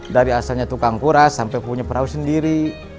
dari asalnya tukang kuras sampai punya perahu sendiri